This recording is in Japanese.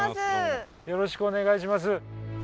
よろしくお願いします。